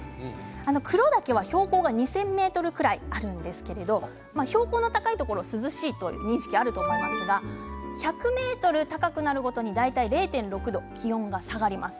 黒岳は標高２０００ｍくらいあるんですけど標高の高いところは涼しいという認識があると思いますが１００ｍ高くなるごとに大体０．６度、気温が下がります。